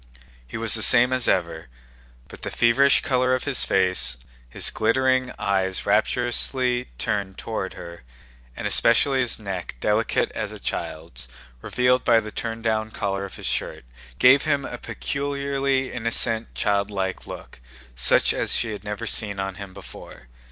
He was the same as ever, but the feverish color of his face, his glittering eyes rapturously turned toward her, and especially his neck, delicate as a child's, revealed by the turn down collar of his shirt, gave him a peculiarly innocent, childlike look, such as she had never seen on him before.